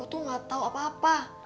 lo tuh gak tau apa apa